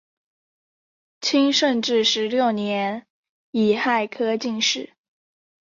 清顺治十六年己亥科进士。